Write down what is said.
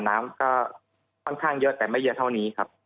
น้ำก็ค่อนข้างเยอะแต่ไม่เยอะเท่านี้ครับ